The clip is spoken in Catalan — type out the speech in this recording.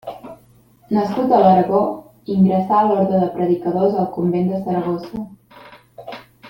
Nascut a l'Aragó, ingressà a l'Orde de Predicadors al convent de Saragossa.